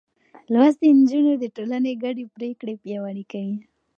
لوستې نجونې د ټولنې ګډې پرېکړې پياوړې کوي.